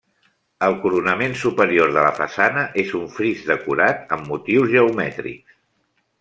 El coronament superior de la façana és un fris decorat amb motius geomètrics.